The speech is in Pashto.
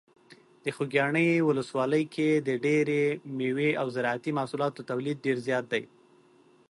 د خوږیاڼي ولسوالۍ کې د ډیری مېوې او زراعتي محصولاتو تولید ډیر زیات دی.